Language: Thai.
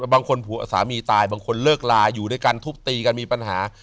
บางคนผัวสามีตายบางคนเลิกลาอยู่ด้วยกันทุบตีกันมีปัญหา